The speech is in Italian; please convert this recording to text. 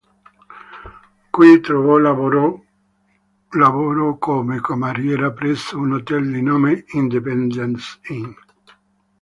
Qui trovò lavoro come cameriera presso un hotel di nome "Indipendence Inn".